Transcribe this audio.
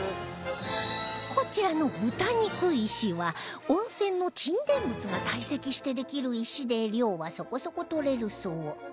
こちらの豚肉石は温泉の沈殿物が堆積してできる石で量はそこそこ採れるそう